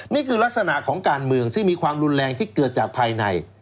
นี่คือลักษณะของการเมืองซึ่งมีความรุนแรงที่เกิดจากภายใน